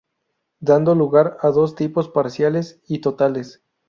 Dando lugar a dos tipos, parciales y totales.